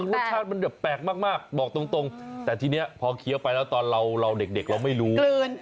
รสชาติมันแบบแปลกมากบอกตรงแต่ทีนี้พอเคี้ยวไปแล้วตอนเราเด็กเราไม่รู้กลืน